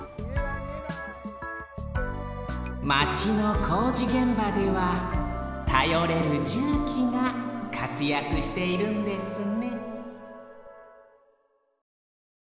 まちの工事現場ではたよれるじゅうきがかつやくしているんですね